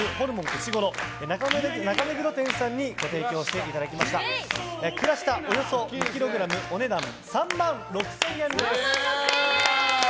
うしごろ中目黒店さんにご提供していただいたクラシタおよそ２ｋｇお値段３万６０００円です。